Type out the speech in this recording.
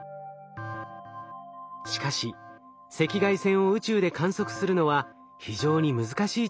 しかし赤外線を宇宙で観測するのは非常に難しい挑戦です。